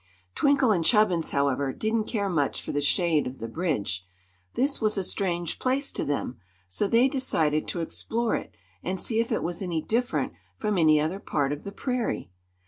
Twinkle and Chubbins, however, didn't care much for the shade of the bridge. This was a strange place to them, so they decided to explore it and see if it was any different from any other part of the prairie.